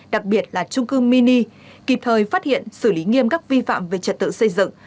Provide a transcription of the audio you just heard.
đặc biệt là trung cư mini kịp thời phát hiện xử lý nghiêm các vi phạm về trật tự xây dựng